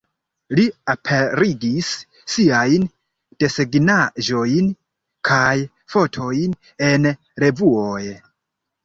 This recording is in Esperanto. Li aperigis siajn desegnaĵojn kaj fotojn en revuoj.